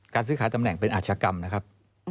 ซื้อขายตำแหน่งเป็นอาชกรรมนะครับ